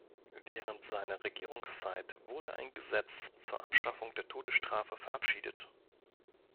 Während seiner Regierungszeit wurde ein Gesetz zur Abschaffung der Todesstrafe verabschiedet.